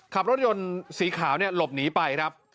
ขับรถยนต์สีขาวหลบหนีไปครับ